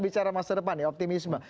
bicara masa depan ya optimisme